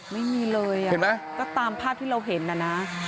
ไม่มีเลยอ่ะก็ตามภาพที่เราเห็นน่ะนะ